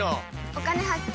「お金発見」。